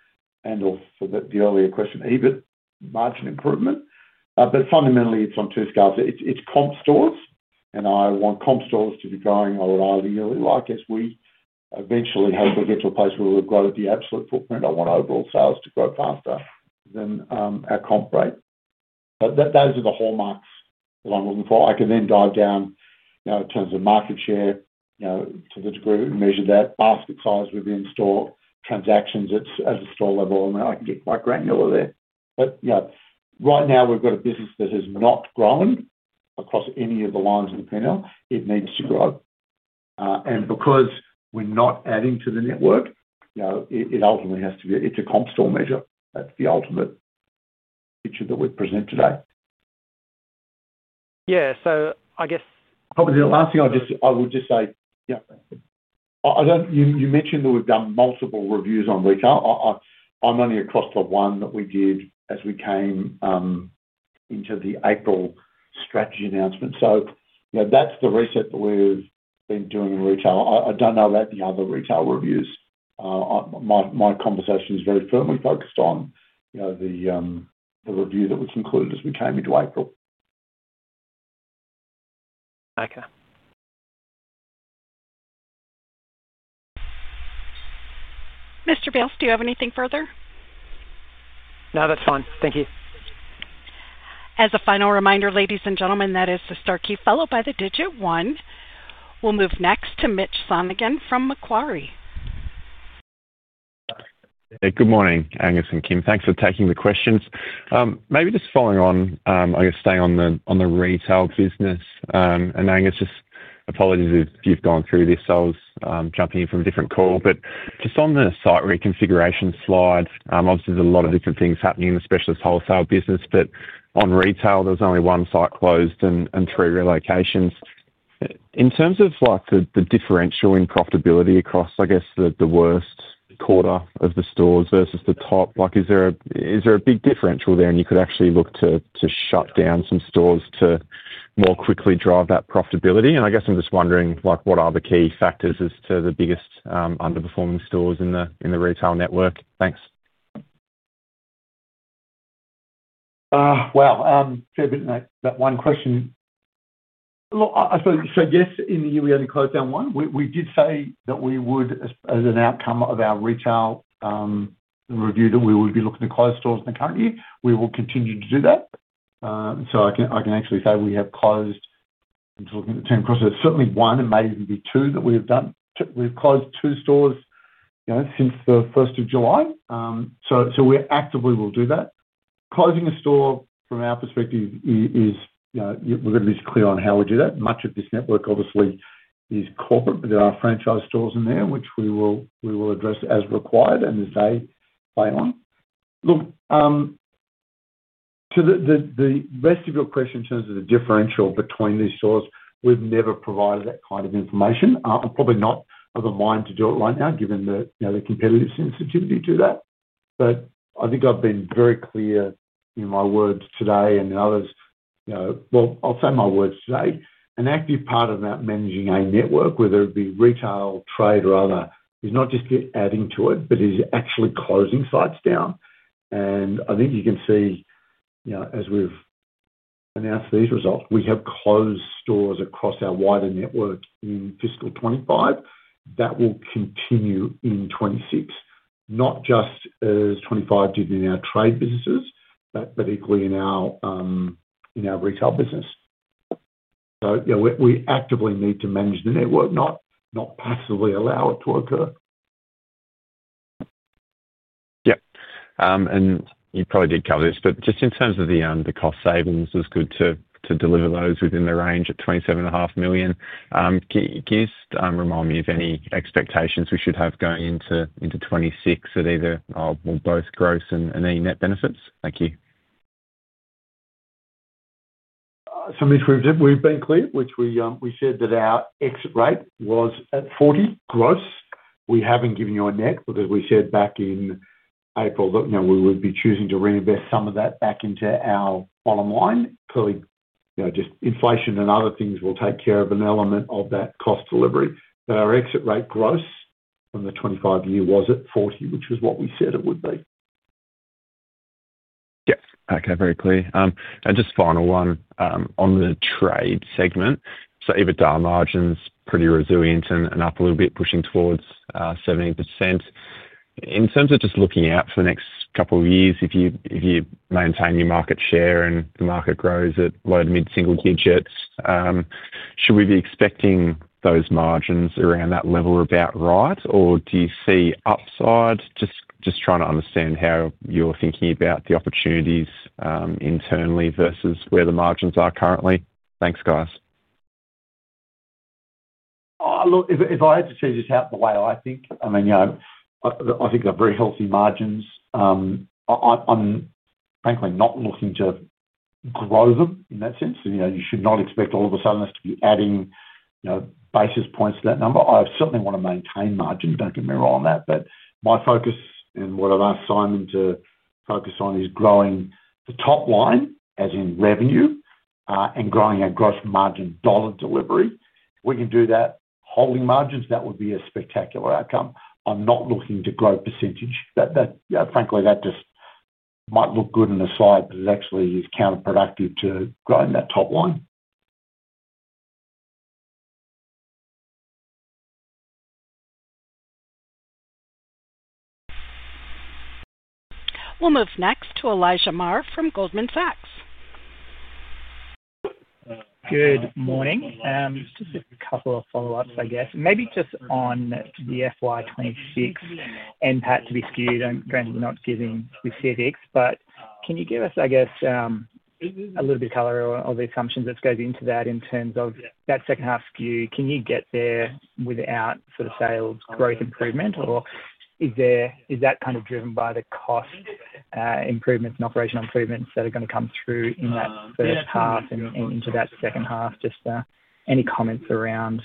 and also the earlier question, EBIT margin improvement. Fundamentally, it's on two scales. It's comp stores, and I want comp stores to be growing a lot of the yearly. I guess we eventually hope we'll get to a place where we'll grow the absolute footprint. I want overall sales to grow faster than our comp rate. Those are the hallmarks that I'm looking for. I can then dive down in terms of market share, you know, to the degree we measure that, basket size within store, transactions at the store level, and I can get quite granular there. Right now we've got a business that has not grown across any of the lines of the pinner. It needs to grow. Because we're not adding to the network, it ultimately has to be, it's a comp store measure. That's the ultimate picture that we've presented today. Yeah, I guess. Probably the last thing I would just say, you know, you mentioned that we've done multiple reviews on retail. I'm only across to one that we did as we came into the April strategy announcement. That's the reset that we've been doing in retail. I don't know about the other retail reviews. My conversation is very firmly focused on the review that was concluded as we came into April. Okay. Mr. Bales, do you have anything further? No, that's fine. Thank you. As a final reminder, ladies and gentlemen, that is the star key followed by the digit one. We'll move next to Mitch Sonogan from Macquarie. Good morning, Angus and Kim. Thanks for taking the questions. Maybe just following on, I guess, staying on the retail business. Angus, apologies if you've gone through this, I was jumping in from a different call. Just on the site reconfiguration slide, obviously there's a lot of different things happening in the specialist wholesale business. On retail, there was only one site closed and three relocations. In terms of the differential in profitability across, I guess, the worst quarter of the stores versus the top, is there a big differential there and you could actually look to shut down some stores to more quickly drive that profitability? I'm just wondering what are the key factors as to the biggest underperforming stores in the retail network? Thanks. Yes, in the year we only closed down one. We did say that we would, as an outcome of our retail review, be looking to close stores in the current year. We will continue to do that. I can actually say we have closed, I'm just looking at the term across here, certainly one and maybe even two that we have done. We've closed two stores since July 1. We actively will do that. Closing a store from our perspective is, you know, we're going to be clear on how we do that. Much of this network obviously is corporate. There are franchise stores in there, which we will address as required and as they play on. To the rest of your question in terms of the differential between these stores, we've never provided that kind of information. I'm probably not of the mind to do it right now given the competitive sensitivity to that. I think I've been very clear in my words today and in others, my words today. An active part of managing a network, whether it be retail, trade, or other, is not just adding to it, but actually closing sites down. I think you can see, as we've announced these results, we have closed stores across our wider network in fiscal 2025. That will continue in 2026, not just as 2025 did in our trade businesses, but equally in our retail business. We actively need to manage the network, not passively allow it to occur. Yeah, and you probably did cover this, but just in terms of the cost savings, it was good to deliver those within the range at $27.5 million. Can you remind me of any expectations we should have going into 2026 at either or both gross and any net benefits? Thank you. We've been clear, which we said that our exit rate was at $40 million gross. We haven't given you a net, but we said back in April that we would be choosing to reinvest some of that back into our bottom line. Clearly, you know, just inflation and other things will take care of an element of that cost delivery. Our exit rate gross on the 2025 year was at $40 million, which was what we said it would be. Yes, okay, very clear. Just final one on the trade segment. EBITDA margins, pretty resilient and up a little bit, pushing towards 70%. In terms of just looking out for the next couple of years, if you maintain your market share and the market grows at low to mid-single digits, should we be expecting those margins around that level about right, or do you see upside? Just trying to understand how you're thinking about the opportunities internally versus where the margins are currently. Thanks, guys. Look, if I had to chase this out the way I think, I mean, yeah, I think they're very healthy margins. I'm frankly not looking to grow them in that sense. You know, you should not expect all of a sudden us to be adding, you know, basis points to that number. I certainly want to maintain margin, don't get me wrong on that. My focus and what I've asked Simon to focus on is growing the top line, as in revenue, and growing our gross margin dollar delivery. We can do that holding margins, that would be a spectacular outcome. I'm not looking to grow percentage. That, frankly, that just might look good on the side, but it actually is counterproductive to growing that top line. We'll move next to Elijah Mayr from Goldman Sachs. Good morning. Just a couple of follow-ups, I guess. Maybe just on the FY 2026 end part to be skewed and randomly not giving specifics, but can you give us, I guess, a little bit of color or the assumptions that go into that in terms of that second half skew? Can you get there without sort of sales growth improvement, or is that kind of driven by the cost improvements and operational improvements that are going to come through in that first half and into that second half? Just any comments around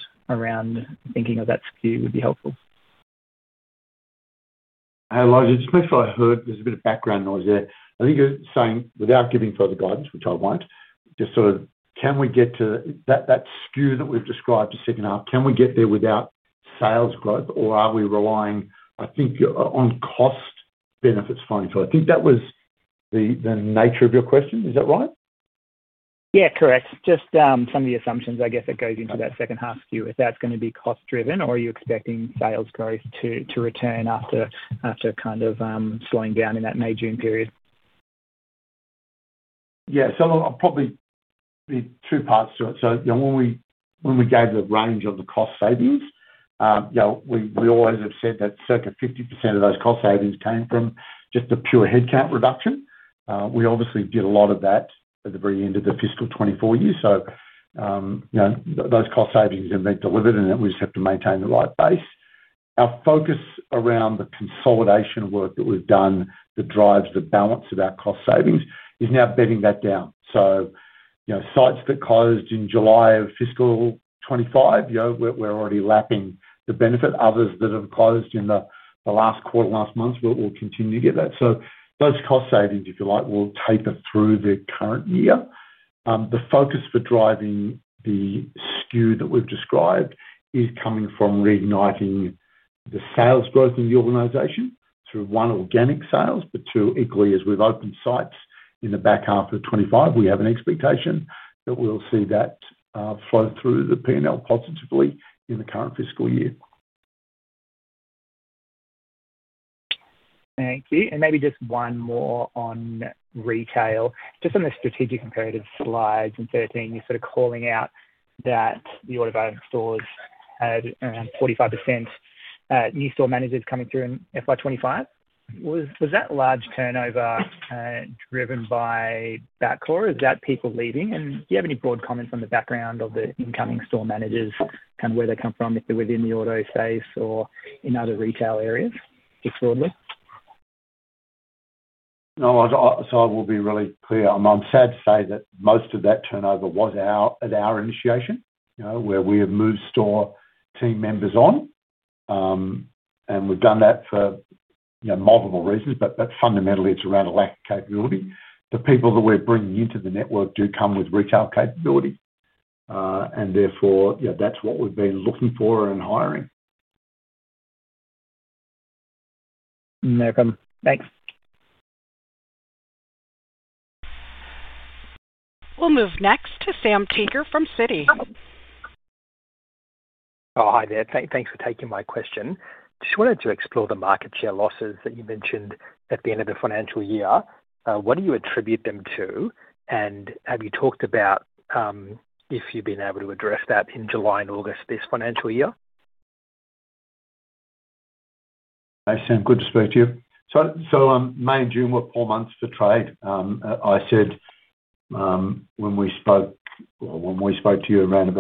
thinking of that skew would be helpful. Elijah, just make sure I heard. There's a bit of background noise there. I think you're saying, without giving further guidance, which I won't, just sort of can we get to that skew that we've described the second half? Can we get there without sales growth, or are we relying, I think, on cost benefits? I think that was the nature of your question. Is that right? Yeah, correct. Just some of the assumptions, I guess, that go into that second half skew. If that's going to be cost-driven, or are you expecting sales growth to return after kind of slowing down in that May-June period? Yeah, so it'll probably be two parts to it. When we gave the range of the cost savings, you know, we always have said that circa 50% of those cost savings came from just the pure headcount reduction. We obviously did a lot of that at the very end of the fiscal 2024 year. Those cost savings have been delivered and we just have to maintain the right base. Our focus around the consolidation work that we've done that drives the balance of our cost savings is now bedding that down. Sites that closed in July of fiscal 2025, we're already lapping the benefit. Others that have closed in the last quarter, last month, we'll continue to get that. Those cost savings, if you like, will taper through the current year. The focus for driving the skew that we've described is coming from reigniting the sales growth in the organization through one, organic sales, but two, equally, as we've opened sites in the back half of 2025. We have an expectation that we'll see that flow through the P&L positively in the current fiscal year. Thank you. Maybe just one more on retail. On the strategic imperative slides in 2025, you're sort of calling out that the Autobarn stores had around 45% new store managers coming through in FY 2025. Was that large turnover driven by Bapcor, or is that people leaving? Do you have any broad comments on the background of the incoming store managers and where they come from, if they're within the auto space or in other retail areas, broadly? I will be really clear. I'm sad to say that most of that turnover was at our initiation, you know, where we have moved store team members on. We've done that for, you know, multiple reasons, but fundamentally, it's around a lack of capability. The people that we're bringing into the network do come with retail capability, and therefore, you know, that's what we've been looking for in hiring. No problem. Thanks. We'll move next to Sam Teeger from Citi. Hi there. Thanks for taking my question. Just wanted to explore the market share losses that you mentioned at the end of the financial year. What do you attribute them to? Have you talked about if you've been able to address that in July and August this financial year? Hey, Sam, good to speak to you. May and June were poor months for trade. I said when we spoke to you around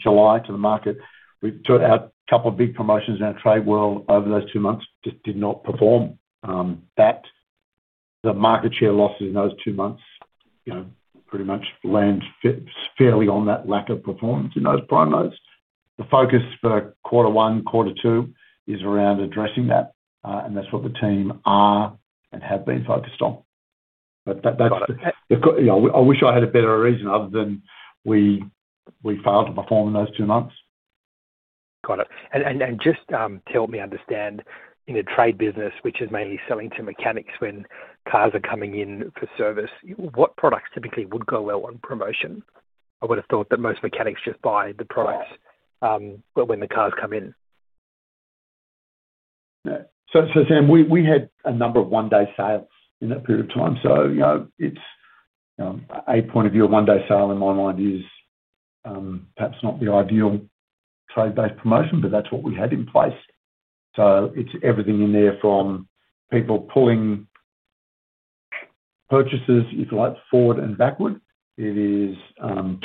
July to the market, we took out a couple of big promotions in our trade world over those two months, just did not perform. The market share losses in those two months pretty much land fairly on that lack of performance in those prime months. The focus for quarter one, quarter two is around addressing that. That's what the team are and have been focused on. I wish I had a better reason other than we failed to perform in those two months. Got it. Just to help me understand, in a trade business, which is mainly selling to mechanics when cars are coming in for service, what products typically would go well on promotion? I would have thought that most mechanics just buy the products when the cars come in. Sam, we had a number of one-day sales in that period of time. You know, it's a point of view, a one-day sale in my mind is perhaps not the ideal trade-based promotion, but that's what we had in place. It's everything in there from people pulling purchases, if you like, forward and backward. It is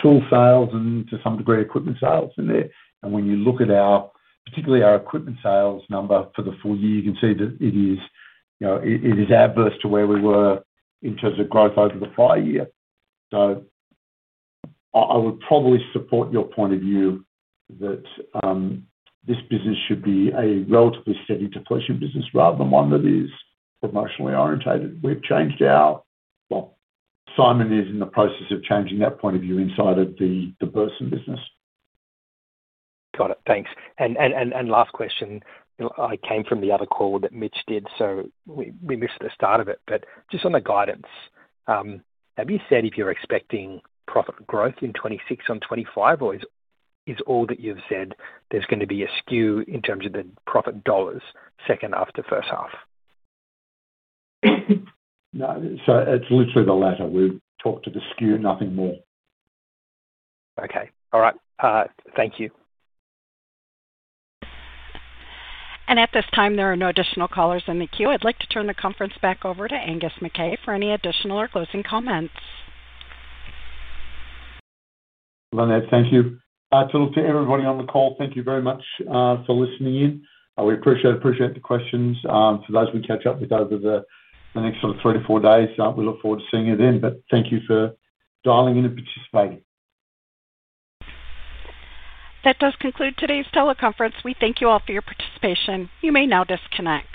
tool sales and to some degree equipment sales in there. When you look at our, particularly our equipment sales number for the full year, you can see that it is, you know, it is adverse to where we were in terms of growth over the prior year. I would probably support your point of view that this business should be a relatively steady deflation business rather than one that is promotionally orientated. We've changed our, Simon is in the process of changing that point of view inside of the Burson Auto Parts business. Got it. Thanks. Last question, I came from the other call that Mitch did, so we missed the start of it. Just on the guidance, have you said if you're expecting profit growth in 2026 on 2025, or is all that you've said there's going to be a skew in terms of the profit dollars second half to first half? No, it's literally the latter. We've talked to the skew, nothing more. Okay. All right. Thank you. At this time, there are no additional callers in the queue. I'd like to turn the conference back over to Angus McKay for any additional or closing comments. Thank you. I told everybody on the call, thank you very much for listening in. We appreciate the questions. For those who catch up with us over the next sort of three to four days, we look forward to seeing you then. Thank you for dialing in and participating. That does conclude today's teleconference. We thank you all for your participation. You may now disconnect.